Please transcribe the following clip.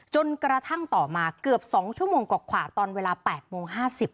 จนกระทั่งต่อมาเกือบ๒ชั่วโมงกว่าตอนเวลา๘โมง๕๐